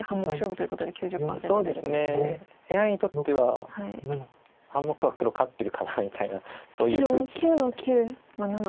そうですねＡＩにとっては半目は黒勝ってるかなみたいなそういう数値です。